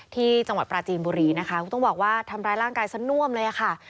ที่จังหวัดปราจีนบุรีนะคะก็ต้องบอกว่าทำร้ายร่างกายซะน่วมเลยค่ะ